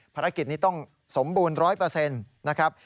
ภารกิจนี้ต้องสมบูรณ์๑๐๐นะครับ